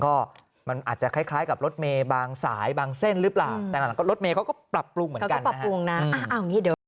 ก็มันอาจจะคล้ายกับรถเมย์บางสายบางเส้นหรือเปล่าแต่รถเมย์เขาก็ปรับปรุงเหมือนกันปรับปรุงนะ